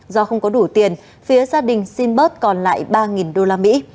do không có đủ tiền phía gia đình xin bớt còn lại ba usd